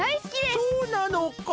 そうなのか。